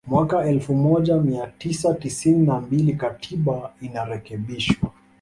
Mwaka elfu moja mia tisa tisini na mbili Katiba inarekebishwa